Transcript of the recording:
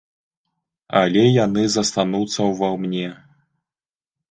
Але яны застануцца ўва мне.